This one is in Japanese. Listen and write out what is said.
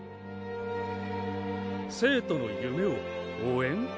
生徒の夢を応援？